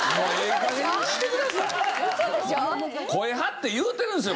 声張って言うてるんですよ